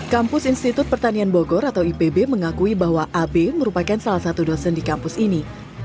kampus institut pertanian bogor atau ipb mengakui bahwa ab merupakan salah satu dosen di kampus ini